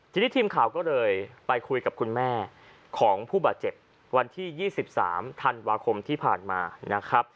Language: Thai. ทีนี้ทีมข่าวก็เลยไปคุยกับคุณแม่ของผู้บาดเจ็บวันที่๒๓ธันวาคมที่ผ่านมานะครับ